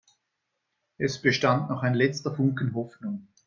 Es bestand noch ein letzter Funken Hoffnung.